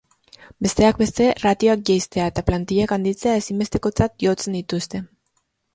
Besteak beste, ratioak jaistea eta plantillak handitzea ezinbestekotzat jotzen dituzte.